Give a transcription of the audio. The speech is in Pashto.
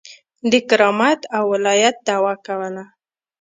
د کرامت او ولایت دعوه کوله.